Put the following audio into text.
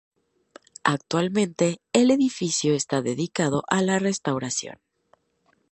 Actualmente, el edificio está dedicado a la restauración.